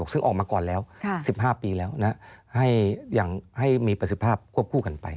ซึ่งออกมาก่อนแล้ว๑๕ปีแล้วให้มีประสิทธิภาพควบคู่กันไป